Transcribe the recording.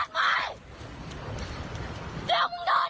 จอร์ตมึงจะจอร์ตไหม